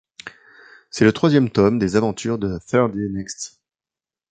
C'est le troisième tome des aventures de Thursday Next.